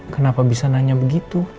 kenapa bisa nanya begitu